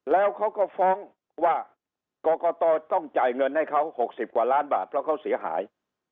แล้วเขาก็ฟ้องว่ากรกตต้องจ่ายเงินให้เขา๖๐กว่าล้านบาทเพราะเขาเสียหาย